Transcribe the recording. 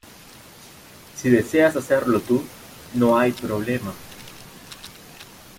Si deseas hacerlo tú, no hay problema.